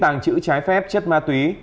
tài năng trữ trái phép chất ma túy